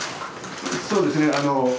そうですね。